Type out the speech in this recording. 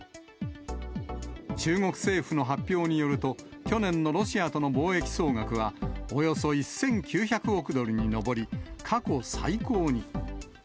中国政府の発表によると、去年のロシアとの貿易総額は、およそ１９００億ドルに上り、過去最高に。